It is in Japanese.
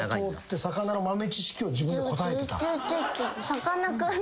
魚の豆知識を自分で答えてた？